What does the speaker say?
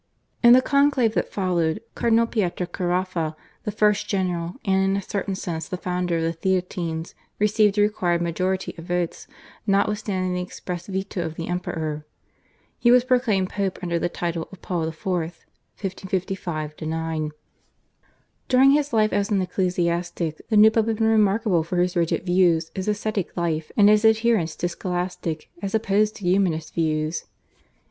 In the conclave that followed Cardinal Pietro Caraffa, the first general and in a certain sense the founder of the Theatines, received the required majority of votes notwithstanding the express veto of the Emperor. He was proclaimed Pope under the title of Paul IV. (1555 9). During his life as an ecclesiastic the new Pope had been remarkable for his rigid views, his ascetic life, and his adherence to Scholastic as opposed to Humanist views.